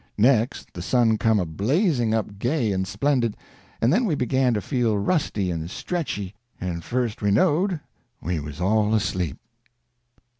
Next, the sun come a blazing up gay and splendid, and then we began to feel rusty and stretchy, and first we knowed we was all asleep.